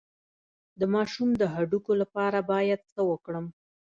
د ماشوم د هډوکو لپاره باید څه وکړم؟